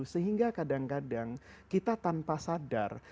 sehingga kadang kadang kita tanpa sadar